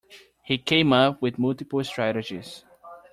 He came up with multiple strategies.